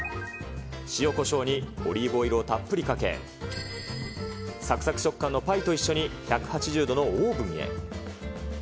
塩、こしょうにオリーブオイルをたっぷりかけ、さくさく食感のパイと一緒に１８０度のオーブンへ。